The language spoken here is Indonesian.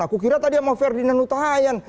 aku kira tadi sama ferdinand hutayan